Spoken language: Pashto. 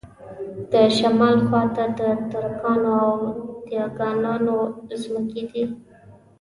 د شمال خواته د ترکانو او دېګانانو ځمکې دي.